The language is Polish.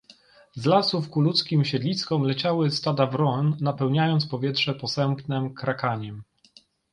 "Z lasów ku ludzkim siedliskom leciały stada wron, napełniając powietrze posępnem krakaniem."